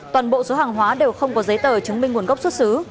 toàn bộ số hàng hóa đều không có giấy tờ chứng minh nguồn gốc xuất xứ